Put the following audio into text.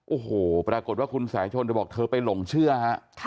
โอ้โหปรากฏว่าคุณสายชนเธอบอกเธอไปหลงเชื่อฮะ